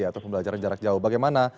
atau pembelajaran jarak jauh bagaimana